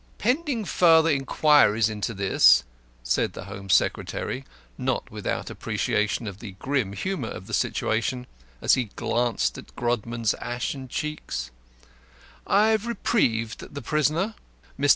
"Pending further inquiries into this," said the Home Secretary, not without appreciation of the grim humour of the situation as he glanced at Grodman's ashen cheeks, "I have reprieved the prisoner. Mr.